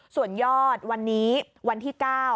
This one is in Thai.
ส่วนยอดวันนี้วันที่๙